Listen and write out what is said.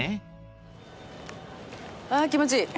あ気持ちいい。